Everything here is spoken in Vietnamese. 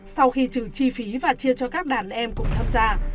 sau khi trừ chi phí và chia cho các đàn em cùng tham gia